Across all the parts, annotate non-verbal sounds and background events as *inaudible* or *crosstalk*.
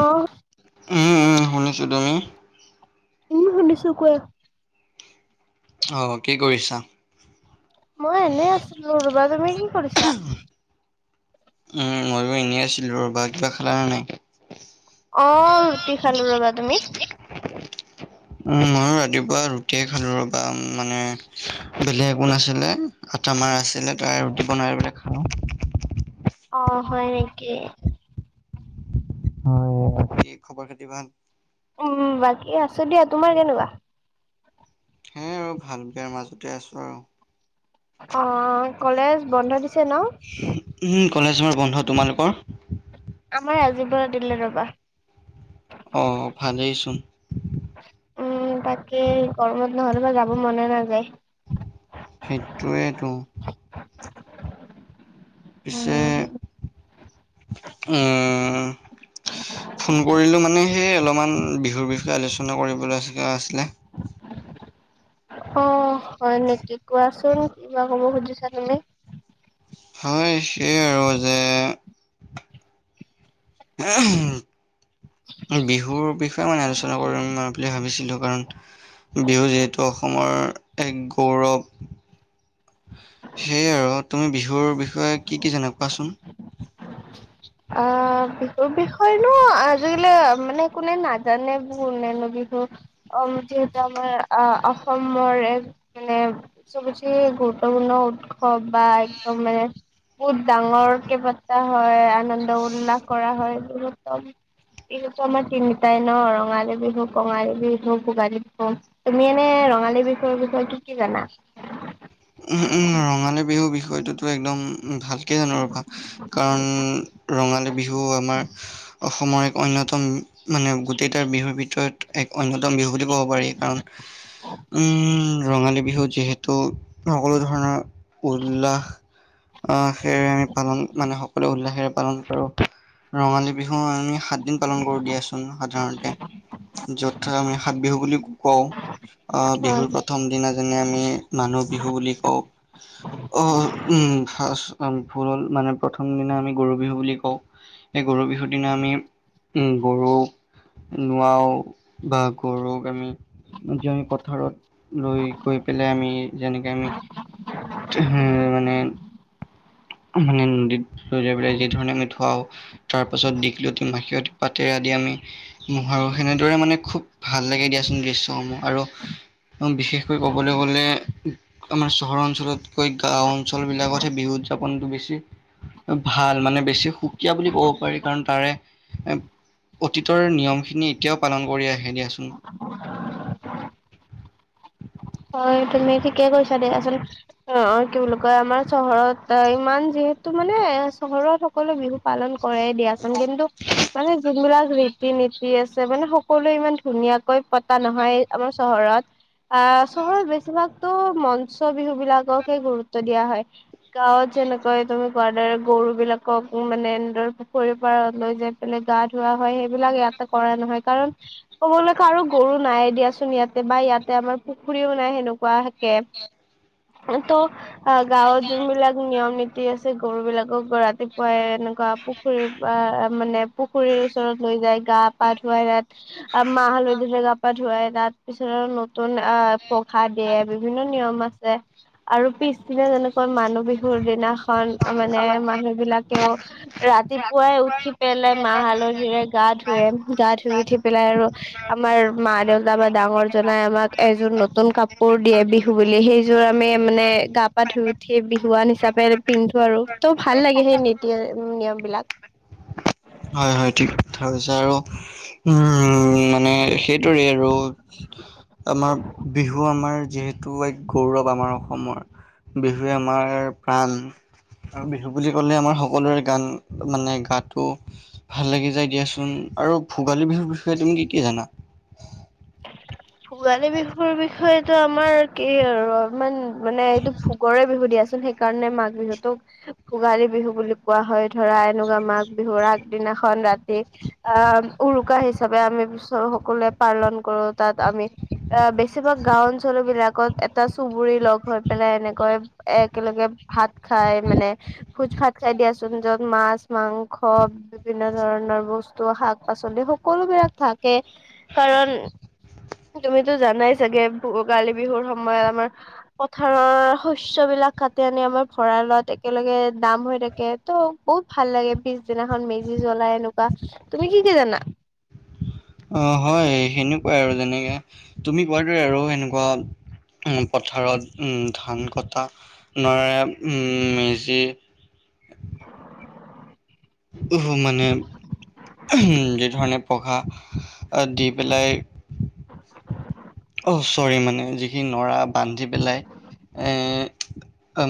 অহ', উম- উম - উম শুনিছো, তুমি? উম, শুনিছোঁ কোৱা? অহ, কি কৰিছা? মই এনেই আছিলো ৰবা তুমি কি কৰিছা? উম, মইও এনেই আছিলো ৰবা কিবা খালা নে নাই? অ, ৰুটি খালো ৰবা তুমি? *unintelligible* উম, ময়ো ৰাতিপুৱা ৰুটিয়ে খালো ৰবা মানে বেলেগ একো নাছিলে। আটামাৰা আছিলে তাৰে ৰুটি বনাই পেলাই খালোঁ। অ, হয় নেকি? হয় বাকি খবৰ খাতি ভাল? উম, বাকী আছো দিয়া তোমাৰ কেনেকুৱা? সেয়ে আৰু ভাল বেয়াৰ মাজতে আছোঁ আৰু। অ, কলেজ বন্ধ দিছে ন? উহু, কলেজ মোৰ বন্ধ তোমালোকৰ? আমাৰ আজি পৰা দিলে ৰবা। অ' ভালেই চোন। উ, তাকে গৰমত নহ'লে বা যাব মনে নাযায়। সেইটোৱেই টো। পিছে উম, উম। ফোন কৰিলো মানে, সেই অলপমান বিহুৰ বিষয়ে আলোচনা কৰিবলৈ আছিলে। অ' হয় নেকি? কোৱাচোন কিবা কব খুজিছা *inaudible* হয়, সেইয়া আৰু যে *inaudible* বিহুৰ বিষয়ে মানে আলোচনা কৰিম, বুলি ভাবিছিলো কাৰণ বিহু যিহেতু অসমৰ এক গৌৰৱ। সেয়া আৰু তুমি বিহুৰ বিষয়ে কি কি জানা কোৱাচোন। *unintelligible* অ' বিহুৰ বিষয়েনো আজিকালি মানে, কোনে নাজানে বো কোনেনো বিহু। অ' যিহেতু আমাৰ আহ অসমৰ এক মানে চবছে গুৰুত্বপূৰ্ণ উৎসৱ বা একদম মানে। বহুত ডাঙৰকে পতা হয়। আনন্দ উল্লাস কৰা হয়। বিহুতো আমাৰ তিনিতাই ন ৰঙালী বিহু কঙালী বিহু ভোগালী বিহু। তুমি এনে ৰঙালী বিষৰ বিষয়ে কি জানা? উম, উম। ৰঙালী বিহুৰ বিষয়টোতো একদম ভালকৈ জানো আৰু কাৰণ ৰঙালী বিহু আমাৰ অসমৰ এক অন্যতম মানে গোটেইটা বিহুৰ ভিতৰত এক অন্যতম বিহু বুলি ক'ব পাৰি কাৰণ, ওম ৰঙালী বিহুত যিহেতু সকলো ধৰণৰ উল্লাস। আহ, সেৰে আমি পালন মানে সকলোৱে উল্লাসেৰে পালন কৰো। ৰঙালী বিহু আমি সাত দিন পালন কৰো দিয়াচোন সাধাৰণতে। য'থা আমি সাত বিহু বুলি কওঁ। অ' হয় বিহুৰ প্ৰথম দিনা যেনে আমি মানুহ বিহু বুলি কওঁ। অ ' আ ফাৰ্ষ্ট আমি ভুল হ'ল, মানে প্ৰথম দিনা আমি গৰু বিহু বুলি কওঁ। এই গৰু বিহুৰ দিনা আমি গৰুক নোৱাও বা গৰুক আমি। আজি আমি পথাৰত লৈ গৈ পেলাই আমি যেনেকে আমি মানে। মানে নদীত লৈ যাই পেলাই যি ধৰণে আমি ধুৱাও তাৰ পাছত দিঘলতি মাখিয়তি পাতেৰে আদি আমি মোহাৰো সেনেদৰে মানে খুব ভাল লাগে দিয়াচোন দৃশ্যসমূহ আৰু বিশেষকৈ ক'বলৈ গ'লে আমাৰ চহৰ অঞ্চলতকৈ গাঁও অঞ্চল বিলাকতহে বিহু উদযাপনটো বেছি। ভাল মানে বেছি সুকীয়া বুলি ক'ব পাৰি কাৰণ তাৰে এ অতীতৰ নিয়মখিনি এতিয়াও পালন কৰি আহে দিয়াচোন। হয়, তুমি ঠিকে কৈছা দিয়াচোন। অ', অ', কি বুলি কয় আমাৰ চহৰত ইমান যিহেতু মানে চহৰত সকলোৱে বিহু পালন কৰেই দিয়াচোন কিন্তু মানে যোনবিলাক ৰি ৰীতি -নীতি আছে মানে সকলোৱে ইমান ধুনীয়াকৈ পতা নহয় আমাৰ চহৰত আহ চহৰত বেছিভাগতো মঞ্চ বিহু বিলাককহে গুৰুত্ব দিয়া হয়। গাঁৱত যেনেকৈ তুমি কোৱাৰ দৰে গৰু বিলাকক মানে এনেদৰে পুখুৰীৰ পাৰত লৈ যায় গা ধোৱা হয় সেইবিলাক ইয়াতে কৰা নহয় কাৰণ ক'বলৈকে আৰু গৰু নাই দিয়াচোন ইয়াতে বা ইয়াতে আমাৰ পু পুখুৰিও নাই সেনেকুৱা থাকে ত' অ, গাঁৱত যোনবিলাক নিয়ম-নীতি আছে গৰু বিলাকক ৰাতিপুৱাই এনেকুৱা পু পুখুৰীৰ মানে পুখুৰীৰ ওচৰত লৈ যায় গা পা ধুৱাই তাত অহ, মাহ হালধিৰে গা পা ধুৱাই তাৰ পিছত নতুন অ, পখা দিয়ে বিভিন্ন নিয়ম আছে। আৰু পিছদিনা যেনেকোৱা মানুহ বিহুৰ দিনাখন মানে মানুহ বিলাকেও ৰাতিপুৱাই উঠি পেলে মাহ -হালধিৰে গা ধুৱে গা ধুই উঠি পেলাই আৰু আমাৰ মা -দেউতা বা ডাঙৰ জনাই আমাক এযোৰ নতুন কাপোৰ দিয়ে বিহু বুলি সেইযোৰ আমি মানে গা পা ধুই উঠি বিহুৱান হিচাপে পিন্ধো আৰু ত' ভাল লাগে সেই নীতি- নিয়ম বিলাক। হয়-হয় ঠিক কথা কৈছা আৰু উম, মানে সেইটোৰে আৰু আমাৰ বিহু আমাৰ যিহেতু এক গৌৰৱ আমাৰ অসমৰ। বিহুৱে আমাৰ প্ৰাণ। আৰু বিহু বুলি ক'লে আমাৰ সকলোৰে গান মানে গাটো ভাল লাগি যায় দিয়াচোন আৰু ভোগালী বিহুৰ বিষয়ে তুমি কি - কি জানা? ভোগালী বিহুৰ বিষয়েতো আমাৰ কি আৰু অলপমান মানে এইটো ভোগৰে বিহু দিয়াচোন সেইকাৰণে মাঘ বিহুতোক ভোগালী বিহু বুলি কোৱা হয় ধৰা এনেকুৱা মাঘ বিহুৰ আগদিনাখন ৰাতি আহ, উৰুকা হিচাপে আমি পিছত সকলোৱে পালন কৰো তাত আমি আ, বেছিভাগ গাওঁ অঞ্চল বিলাকত এটা চুবুৰী লগ হৈ পেলাই এনেকৈ একেলগে ভাত খাই মানে ভোজ ভাত খাই দিয়াচোন যত মাছ, মাংস বিভিন্ন ধৰণৰ বস্তু শাক -পাচলি সকলো বিলাক থাকে কাৰণ তুমিতো জানাই চাগে ভোগালী বিহুৰ সময় আমাৰ পথাৰৰ শস্যবিলাক কাটি আনি আমাৰ ভঁৰালত একেলগে দাম হৈ থাকে। ত' বহুত ভাল লাগে পিছদিনাখন মেজি জ্বলাই এনেকুৱা তুমি কি-কি জানা? অ, হয় সেনেকুৱাই আৰু যেনেকে তুমি কোৱাদৰে আৰু সেনেকুৱা উম, পথাৰত উম, ধান কটা নাৰে উম, মেজি উহু মানে *unintelligible* যিধৰণে পঘা দি পেলাই অ, চৰি মানে যিখিনি নৰা বান্ধি পেলাই এ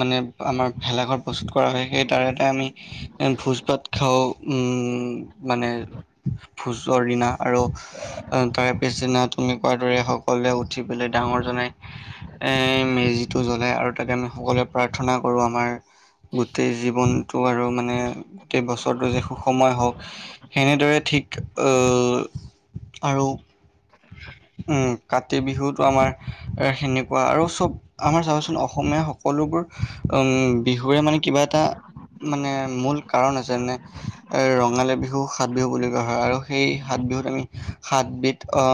মানে আমাৰ ভেলাঘৰ প্ৰস্তুত কৰা হয় সেই তাৰেতে আমি ভোজ অউ, উম, মানে ভোজৰ দিনা আৰু *unintelligible* তাৰে পিছদিনা তুমি কোৱাৰ দৰে সকলোৱে উঠি পেলাই ডাঙৰ জনাই এ মেজিটো জ্বলাই আৰু তাকে আমি সকলোৱে প্ৰাৰ্থনা কৰো আমাৰ গোটেই জীৱনটো আৰু মানে গোটেই বছৰটো যে সুষময় হওক। সেনেদৰে ঠিক অ, আৰু উম, কাতি বিহুতটো আমাৰ সেনেকুৱা আৰু চব আমাৰ চাবাচোন অসমীয়া সক সকলোবোৰ বিহুৰে মানে কিবা এটা মানে মূল কাৰণ আছে যে নে ৰঙালী বিহু সাত বিহু বুলি কোৱা হয় আৰু সেই সাত বিহুত আমি সাতবিধ অ,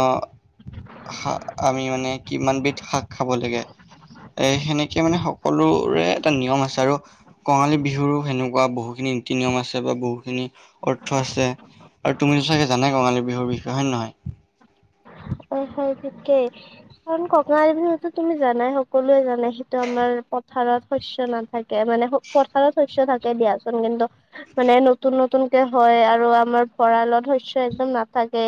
শা আমি মানে কিমানবিধ শাক খাব লাগে এ সেনেকে মানে সকলোৰে এটা নিয়ম আছে আৰু কঙালী বিহুৰো সেনেকুৱা বহুখিনি নীতি নিয়ম আছে বা বহুখিনি অৰ্থ আছে। আৰু তুমিতো চাগে জানে কঙী বিহুৰ বিষয়ে হয় নে নহয়। হয় - হয় তিকেই কাৰণ কঙালী বিহুটো তুমি জানাই সকলোৱে জানেই। সেইটো আমাৰ পথাৰত শস্য নাথাকে মানে পথাৰত শস্য থাকে দিয়াচোন কিন্তু মানে নতুন - নতুনকে হয় আৰু আমাৰ ভঁৰালত শৈয় একদম নাথাকে।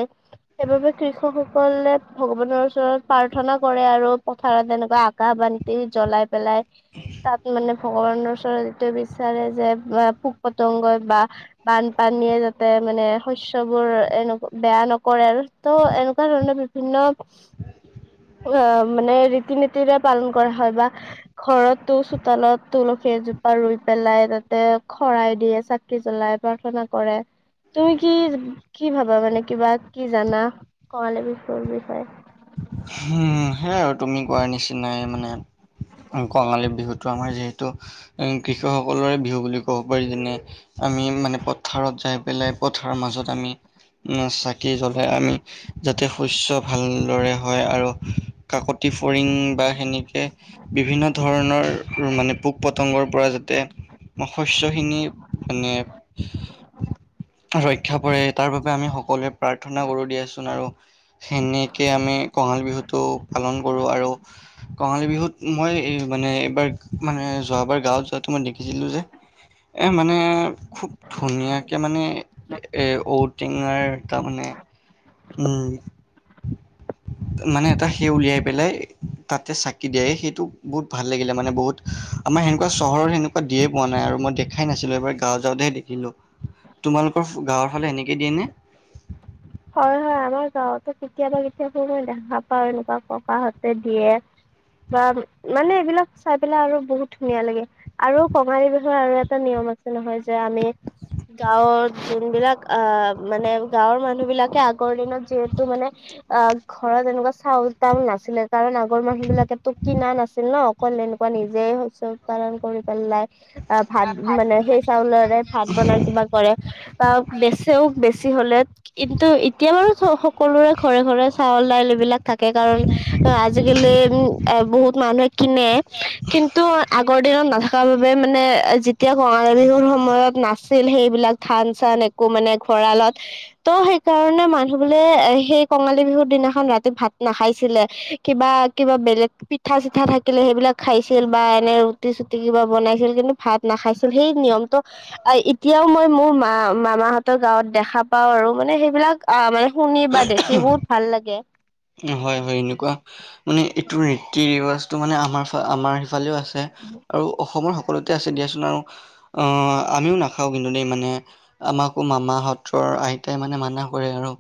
সেইবাবে কৃষক সকলে ভগৱানৰ ওচৰত প্ৰাৰ্থনা কৰে আৰু পথাৰত এনেকুৱা গাহ বানটি জ্বলাই পেলাই তাত মানে ভগৱানৰ ওচৰত এইটো বিচাৰে যে পোক পতংগই বা বানপানীয়ে যাতে মানে শস্যবোৰ এনেক বেয়া নকৰে ত এনে কা ধৰণে বিভিন্ন অ মানে ৰীতি নীতিৰে পালন কৰা হয় বা ঘৰত তো চোতালত তুলসী এজোপা ৰুই পেলাই তাতে খৰাই দিয়ে চা কি জ্বলাই প্ৰাৰ্থনা কৰে। তুমি কি কি ভাবা মানে কিবা কি জানা? কঙালী বিহুৰ বিষয়ে। হম সেইয়াই আৰু তুমি কোৱাৰ নিচিনাই মানে কঙালী বিহুটো আমাৰ যিহেতু কৃষকসকলৰে বিহু বুলি ক'ব পাৰি যেনে আমি মানে পথাৰত যাই পেলাই পথাৰৰ মাজত আমি চাকি জ্বলাই আমি যাতে শস্য ভাল দৰে হয় আৰু কাকতি ফৰিং বা সেনেকে বিভিন্ন ধৰণৰ মানে পোক পতংগৰ পৰা যাতে শস্যখিনি মানে ৰক্ষা পৰে তাৰ বাবে আমি সকলোৱে প্ৰাৰ্থনা কৰো দিয়াচোন আৰু সেনে কে আমি কঙালী বিহুটো পালন কৰোঁ। আৰু কঙালী বিহুত মই এই মানে এইবাৰ মানে যোৱাবাৰ গাঁৱত যোৱাতো মই দেখিছিলো যে। এ মানে খুব ধুনীয়াকে মানে এই ঔটিঙাৰ তাৰ মানে উম। মানে এটা সেই উলিয়াই পেলাই তাতে চাকি দিয়ে সেইটো বহুত ভাল লাগিলে মানে বহুত আমাৰ সেনেকুৱা চহৰত সেনেকুৱা দিয়ে পোৱা নাই আৰু মই দেখাই নাছিলো এইবাৰ গাও যাওঁতেহে দেখিলো। তোমালোকৰ গাঁৱৰ ফালে এনেকে দিয়ে নে? হয় হয় আমাৰ গাঁৱতো কেতিয়াবা কেতিয়াবা মই দেখা পাও এনেকুৱা ককাহতে দিয়ে। গাঁৱত মানে এইবিলাক চাই পেলাই আৰু বহুত ধুনীয়া লাগে। আৰু কঙালী বিহৰ আৰু এটা নিয়ম আছে নহয় যে আমি গাঁৱৰ যোনবিলাক আহ মানে গাঁৱৰ মানুহ বিলাকে আগৰ দিনত যিহেতু মানে অ ঘৰত এনেকুৱা চাউল-তাউল নাছিলে কাৰণ আগৰ মানুহ বিলাকেটো কিনা নাছিল ন'। অ এনেকুৱা নিজেই শস্য পালন কৰি পেলাই আহ ভাত মানে সেই চাউলেৰে ভাত বনাই কিবা কৰে বা বেচেও বেছি হ'লে। কিন্তু এতিয়া বাৰু সকলোৰে ঘৰে ঘৰে চাউল দাইল এইবিলাক থাকে কাৰণে আজিকালি উম বহুত মানুহে কিনে কিন্তু আগৰ দিনত নাথাকা বাবে মানে যেতিয়া কঙালী বিহুৰ সময়ত নাছিল সেইবিলাক ধান চান আকৌ মানে ভৰালত। ত' সেইকাৰণে মানুহ বোলে এ সেই কঙালী বিহুৰ দিনাখন ৰাতি ভাত নাখাইছিলে। কিবা কিবা বেলেগ পিঠা চিঠা থাকিলে সেইবিলাক খাইছিল বা এনে ৰুটি চুটি কিবা বনাইছিল কিন্তু ভাত নাখাইছিল সেই নিয়মটো এতিয়াও মই মোৰ মা মামাহঁতৰ গাঁৱত দেখা পাও আৰু। মানে সেইবিলাক আহ মানে শুনি বা দেখি বহুত ভাল লাগে। উম, হয়, হয়, এনেকুৱা। মানে এইটো ৰীতি-ৰিৱাজটো মানে আমাৰ আমাৰ সেইফালেও আছে। আৰু অসমৰ সকলোতে আছে দিয়াচোন আৰু আঁহ আমিও নাখাও কিন্তু দেই মানে। আমাকো মামা সত্ৰৰ আইতাই মানে মানা কৰে আৰু।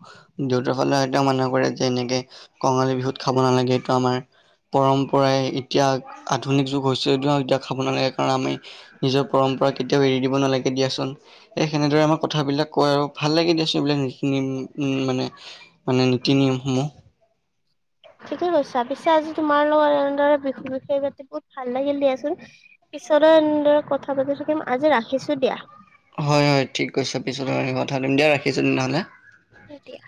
দেউতাক হ'লে আইতাই মানা কৰে যেনেকে কঙালী বিহুত খাব নালাগে এইটো আমাৰ পৰম্পৰাই এতিয়া আধুনিক যুগ হৈছে ন' এতিয়া খাব নালাগে কাৰণ আমি নিজৰ পৰম্পৰা কেতিয়াও এৰি দিব নালাগে দিয়াচোন। এই সেনেদৰে আমাক কথাবিলাক কয় আৰু ভাল লাগে দিয়াচোন এইবিলাক নিখিনি মানে। মানে নীতি-নিয়মসমূহ। ঠিকেই কৈছা। পিছে আজি তোমাৰ লগত এনেদৰে বিহু বিষয় পাতি ভাল লাগিল দিয়াচোন। পিছতো এনেদৰে কথা পাতি থাকিম আজি ৰাখিছো দিয়া। হয়, হয়, ঠিক কৈছে, পিছতো এনেকুৱা কথা দিম দিয়া ৰাখিছো তেনে হ'লে। এতিয়া।